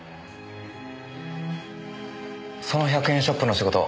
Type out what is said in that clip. その１００円ショップの仕事